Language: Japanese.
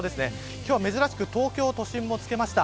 今日は珍しく東京都心もつけました。